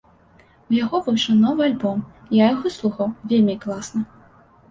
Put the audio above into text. У яго выйшаў новы альбом, я яго слухаў, вельмі класна.